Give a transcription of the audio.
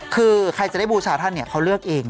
คือใครจะได้บูชาท่านเขาเลือกเอง